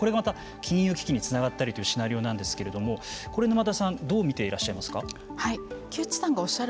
これがまた金融危機につながったりというシナリオなんですけれどもこれ沼田さんどう見ていらっしゃいますか。